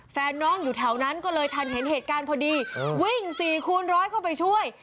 แฟนน้องอยู่แถวนั้นก็เลยทันเห็นเหตุการณ์พอดีวิ่ง๔คูณร้อยเข้าไปช่วย